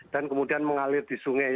dan kemudian mengalir di sungai